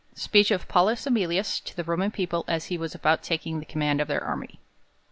Speech of Paulus Emilius to the Roman People, as he was about taking the command ot THEIR Army.